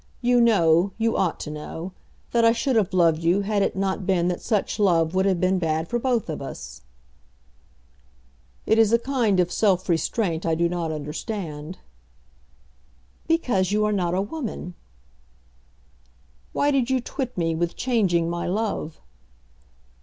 You know, you ought to know, that I should have loved you had it not been that such love would have been bad for both of us." "It is a kind of self restraint I do not understand." "Because you are not a woman." "Why did you twit me with changing my love?"